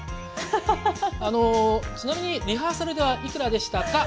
あのちなみにリハーサルではいくらでしたか？